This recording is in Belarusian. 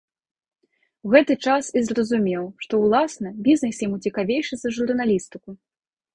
У гэты час і зразумеў, што ўласна бізнэс яму цікавейшы за журналістыку.